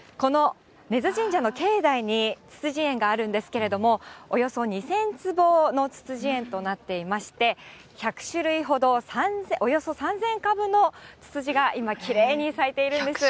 この根津神社の境内につつじえんがあるんですけれども、およそ２０００坪のつつじえんとなっていまして、１００種類ほどおよそ３０００株のつつじが今、きれいに咲いているんです。